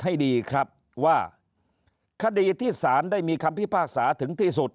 ให้ดีครับว่าคดีที่สารได้มีคำพิพากษาถึงที่สุด